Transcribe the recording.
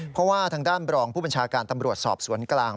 เพราะว่าทางด้านบรองผู้บัญชาการตำรวจสอบสวนกลาง